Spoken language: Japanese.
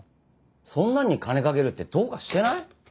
そんなんに金かけるってどうかしてない？